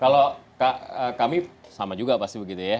kalau kami sama juga pasti begitu ya